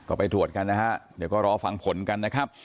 ก็ไปตรวจกันนะฮะเดี๋ยวก็รอฟังผลกันนะครับ